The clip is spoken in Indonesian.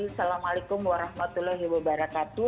assalamualaikum warahmatullahi wabarakatuh